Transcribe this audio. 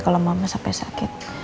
kalau mama sampai sakit